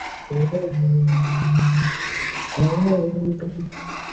更甚的是他曾用粗言秽语呼喝裁判和用脚踢阻碍他击球的摄影记者和其摄录器材。